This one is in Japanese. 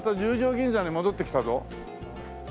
銀座に戻ってきたぞ。